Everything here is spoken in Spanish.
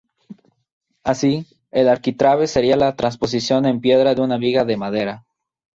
Así el arquitrabe sería la trasposición en piedra de una viga de madera.